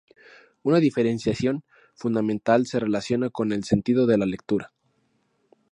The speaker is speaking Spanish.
Una diferenciación fundamental se relaciona con el sentido de la lectura.